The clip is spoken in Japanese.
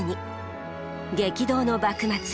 激動の幕末。